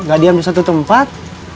gak diam di satu tempat